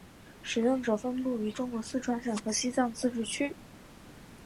使用者分布于中国四川省和西藏自治区。